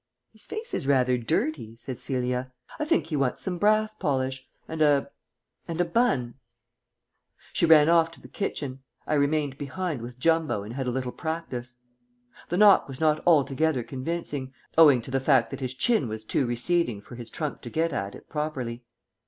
"His face is rather dirty," said Celia. "I think he wants some brass polish and a and a bun." She ran off to the kitchen. I remained behind with Jumbo and had a little practice. The knock was not altogether convincing, owing to the fact that his chin was too receding for his trunk to get at it properly.